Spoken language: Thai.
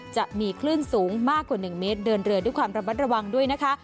จะมีคลื่นสูงมากกว่า๑เมตรเดินเรือด้วยความระมัดระวังด้วยนะคะ